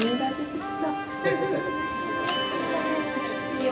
いや。